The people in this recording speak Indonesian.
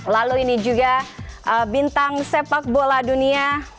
lalu ini juga bintang sepak bola dunia